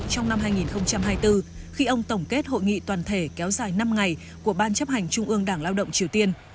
trong năm hai nghìn hai mươi bốn khi ông tổng kết hội nghị toàn thể kéo dài năm ngày của ban chấp hành trung ương đảng lao động triều tiên